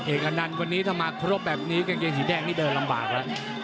อนันต์วันนี้ถ้ามาครบแบบนี้กางเกงสีแดงนี่เดินลำบากแล้ว